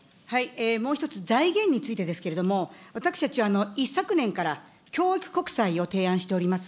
もう一つ財源についてですけれども、私たち、一昨年から教育国債を提案しております。